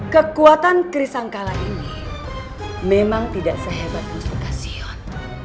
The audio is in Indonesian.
kekuatan geris sangkala ini memang tidak sehebat konsultasion